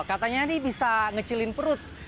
katanya nih bisa ngecilin perut